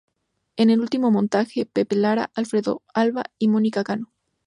En el último montaje Pepe Lara, Alfredo Alba y Mónica Cano.